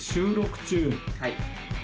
はい。